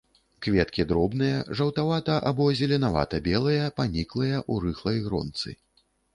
Кветкі дробныя, жаўтавата- або зеленавата-белыя, паніклыя, у рыхлай гронцы.